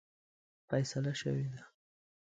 فیصله شوې ده.